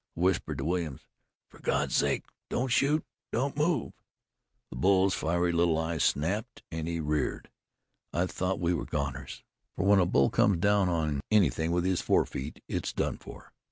I whispered to Williams: 'For God's sake, don't shoot, don't move!' The bull's little fiery eyes snapped, and he reared. I thought we were goners, for when a bull comes down on anything with his forefeet, it's done for.